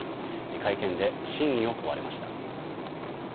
会見で真意を問われました。